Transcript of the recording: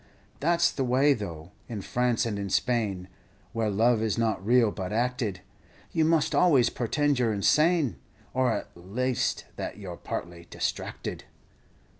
That's the way tho', in France and in Spain, Where love is not real, but acted, You must always portend you 're insane, Or at laste that you 're partly distracted.